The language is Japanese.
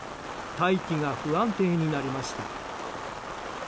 大気が不安定になりました。